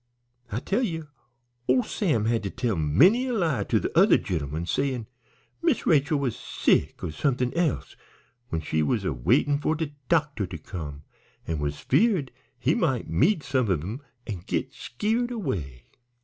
I tell ye ole Sam had to tell many a lie to the other gemmen, sayin' Miss Rachel was sick or somethin' else when she was a waitin' for de doctor to come, and was feared he might meet some of 'em an' git skeered away.